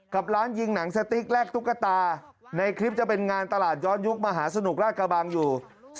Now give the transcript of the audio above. กับร้านยิงหนังสติ๊กแลกตุ๊กตาในคลิปจะเป็นงานตลาดย้อนยุคมหาสนุกราชกระบังอยู่